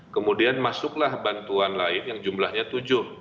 kemudian masuklah bantuan lain yang jumlahnya tujuh